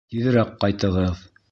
Тиҙерәк ҡайтығыҙ!..